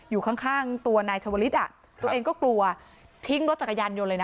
อยู่ข้างตัวนายชวลิศอ่ะตัวเองก็กลัวทิ้งรถจักรยานยนต์เลยนะ